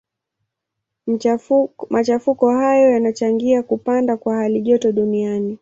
Machafuko hayo yanachangia kupanda kwa halijoto duniani.